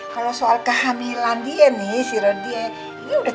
kalau soal kehamilan dia nih si rodi ya ini udah tinggal waktu aja